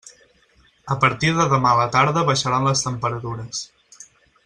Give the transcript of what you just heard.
A partir de demà a la tarda baixaran les temperatures.